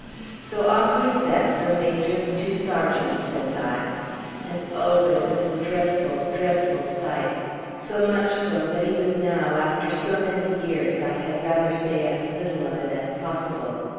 So off we set, the Major, the two sergeants, and I; and oh! but it was a dreadful, dreadful sight! so much so, that even now, after so many years, I had rather say as little of it as possible.